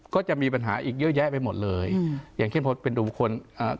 ก็จะมีปัญหาอีกเยอะแยะไปหมดเลยอืมอย่างเช่นพอเป็นตัวบุคคลอ่า